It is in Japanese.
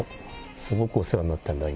すごくお世話になってるんだ、今。